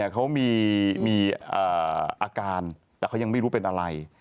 เขามีอาการแต่เขายังไม่รู้เป็นอะไร